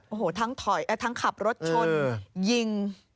โอ้โหทั้งขับรถชนยิง